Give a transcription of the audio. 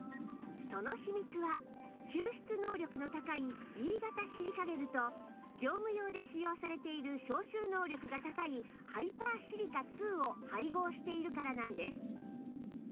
その秘密は吸湿能力の高い Ｂ 形シリカゲルと業務用で使用されている消臭能力が高いハイパーシリカ Ⅱ を配合しているからなんです